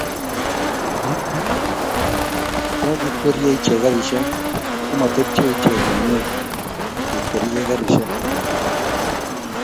yoikwerie iche karishek komatepche iche komnyei kikwerie karishek